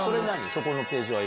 そこのページは。